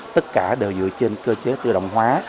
tất cả đều dựa trên cơ chế tự động hóa